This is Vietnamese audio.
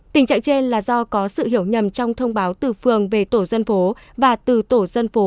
tình trạng trên là do có sự hiểu nhầm trong thông báo từ phường về tổ dân phố và từ tổ dân phố